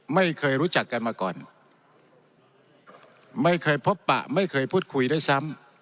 ไม่เคยรู้จักกันมาก่อนไม่เคยพบปะไม่เคยพูดคุยด้วยซ้ำ